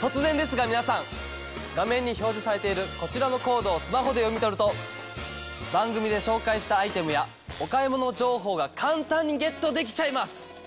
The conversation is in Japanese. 突然ですが皆さん画面に表示されているこちらのコードをスマホで読み取ると番組で紹介したアイテムやお買い物情報が簡単にゲットできちゃいます！